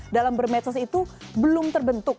dalam bermedsos itu belum terbentuk